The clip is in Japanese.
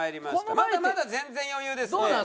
まだまだ全然余裕ですね。